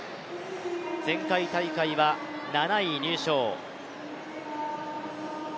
前回大会は７位入賞。